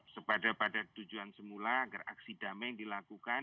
sepada pada tujuan semula agar aksi damai yang dilakukan